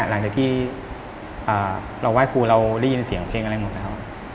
หลังจากที่เราไหว้ครูเราได้ยินเสียงเพลงอะไรหมดแล้ว